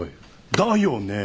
だよね？